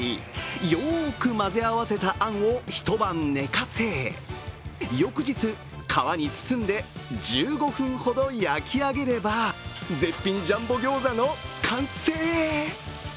よーく混ぜ合わせたあんを一晩寝かせ、翌日、皮に包んで１５分ほど焼き上げれば、絶品ジャンボギョーザの完成。